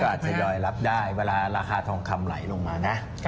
อาจจะยอยรับได้เวลาราคาทองคำไหลลงมานะ